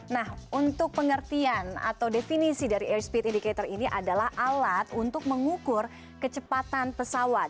nah untuk pengertian atau definisi dari airspeed indicator ini adalah alat untuk mengukur kecepatan pesawat